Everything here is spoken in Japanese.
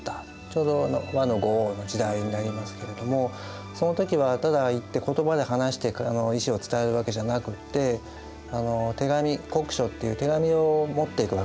ちょうど倭の五王の時代になりますけれどもその時はただ行って言葉で話して意思を伝えるわけじゃなくって手紙国書っていう手紙を持っていくわけです。